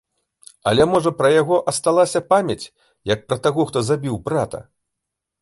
Але, можа, пра яго асталася памяць, як пра таго, хто забіў брата?